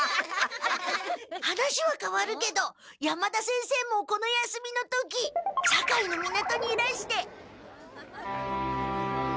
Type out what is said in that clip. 話はかわるけど山田先生もこの休みの時堺の港にいらして。